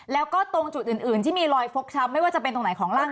แล้วก็ตรงจุดอื่นที่มีรอยฟกช้ำไม่ว่าจะเป็นตรงไหนของร่าง